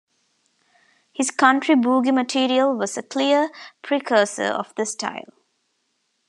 His country boogie material was a clear precursor of the style.